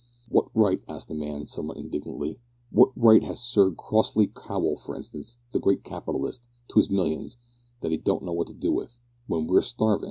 "What right," asked the man, somewhat indignantly, "what right has Sir Crossly Cowel, for instance, the great capitalist, to his millions that 'e don't know what to do with, when we're starvin'?"